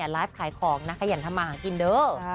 ร้านขายของนักขยันทำอาหารกินเด้อ